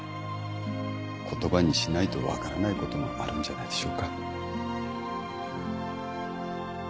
言葉にしないと分からないこともあるんじゃないでしょうか。